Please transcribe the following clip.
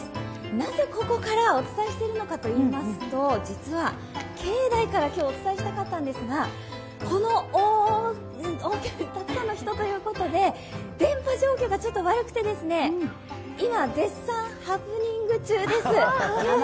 なぜ、ここからお伝えしているのかといいますと、実は境内から今日お伝えしたかったんですが、たくさんの人ということで電波状況がちょっと悪くて今、絶賛ハプニング中です。